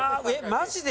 マジで？